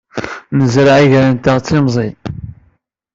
Nezreɛ iger-nteɣ d timẓin.